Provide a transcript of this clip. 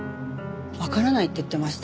わからないって言ってました。